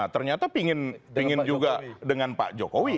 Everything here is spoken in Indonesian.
ternyata pingin juga dengan pak jokowi